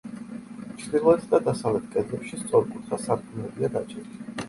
ჩრდილოეთ და დასავლეთ კედლებში სწორკუთხა სარკმლებია გაჭრილი.